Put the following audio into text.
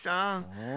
うん？